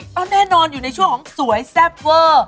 แล้วแน่นอนอยู่ในช่วงสวยแซ่บเว่อ